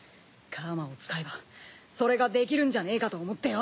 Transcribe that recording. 楔を使えばそれができるんじゃねえかと思ってよ。